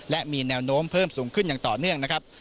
และมีแนวโน้มเพิ่มสูงขึ้นอย่างต่อเนื่องนะครับ